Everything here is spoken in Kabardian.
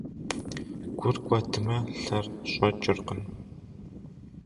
Гур кӀуэдмэ, лъэр щӀэкӀыркъым.